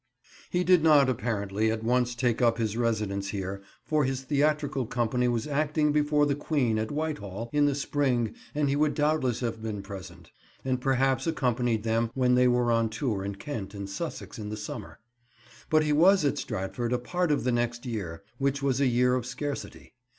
He did not, apparently, at once take up his residence here, for his theatrical company was acting before the Queen at Whitehall in the spring and he would doubtless have been present, and perhaps accompanied them when they were on tour in Kent and Sussex in the summer. But he was at Stratford a part of the next year, which was a year of scarcity.